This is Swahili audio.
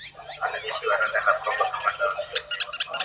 wanajeshi wa Rwanda na kwamba kamanda wao ni Luteni